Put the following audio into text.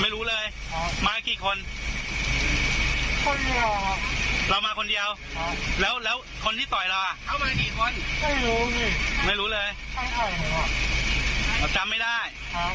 เราจำไม่ได้